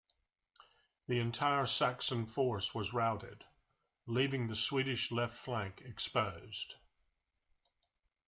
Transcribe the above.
The entire Saxon force was routed, leaving the Swedish left flank exposed.